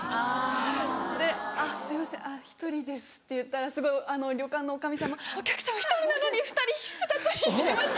で「あっすいません１人です」って言ったらすごい旅館の女将さんも「お客様１人なのに２つ敷いちゃいました！」